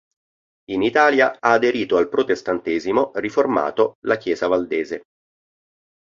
In Italia ha aderito al protestantesimo riformato la Chiesa Valdese.